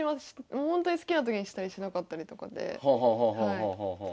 もうほんとに好きな時にしたりしなかったりとかで。